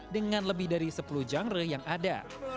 dengan lebih dari sepuluh genre yang ada